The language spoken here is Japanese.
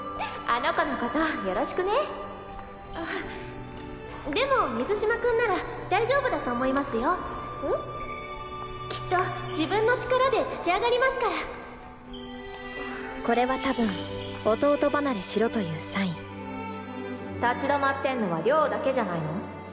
あの子のことよろしくねあでも水嶋君なら大丈夫だと思いますよきっと自分の力で立ち上がりますからこれは多分弟離れしろというサイン立ち止まってんのは亮だけじゃないの？